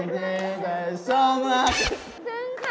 แต่สองรัก